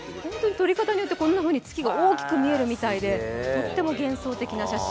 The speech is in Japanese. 撮り方によってこんなふうに月が大きく見えるみたいでとっても幻想的な写真。